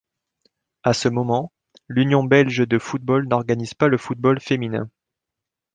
A ce moment, l'Union belge de football n'organise pas le football féminin.